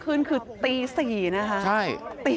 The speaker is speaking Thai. แล้วเหตุการณ์ที่เกิดขึ้นคือตีสี่นะฮะ